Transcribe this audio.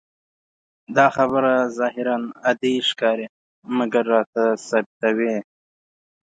دا خبره ظاهراً عادي ښکاري، مګر راته ثابتوي.